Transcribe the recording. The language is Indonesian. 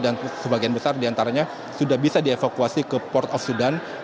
dan sebagian besar diantaranya sudah bisa dievakuasi ke port of sudan